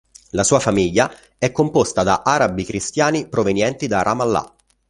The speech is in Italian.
La sua famiglia è composta da arabi cristiani provenienti da Ramallah.